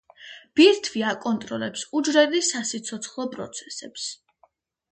ბირთვი აკონტროლებს უჯრედის სასიცოცხლო პროცესებს.